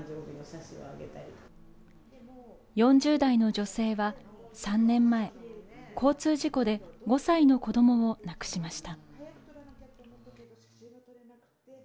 ４０代の女性は３年前交通事故で５歳の子どもを亡くしました。